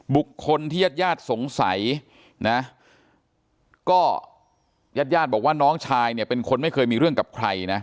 บุคคลที่ญาติญาติสงสัยนะก็ญาติญาติบอกว่าน้องชายเนี่ยเป็นคนไม่เคยมีเรื่องกับใครนะ